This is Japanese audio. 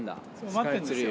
待ってるんですよ